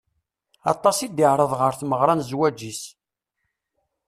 Aṭas i d-iɛreḍ ɣer tmeɣra n zzwaǧ-is.